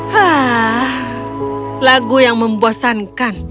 hah lagu yang membosankan